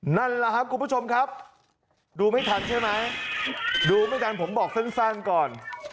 นั่นแหละครับคุณผู้ชมครับดูไม่ทันใช่ไหมดูไม่ทันผมบอกสั้นก่อน